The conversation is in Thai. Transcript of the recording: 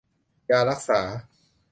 ยารักษา